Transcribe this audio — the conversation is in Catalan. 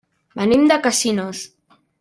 Venim de Casinos.